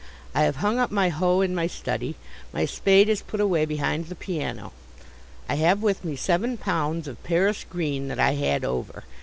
I have hung up my hoe in my study; my spade is put away behind the piano. I have with me seven pounds of Paris Green that I had over.